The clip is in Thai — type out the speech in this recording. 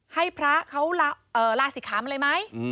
ให้พระเขาร่าสิทธิ์คำอะไรมั้ย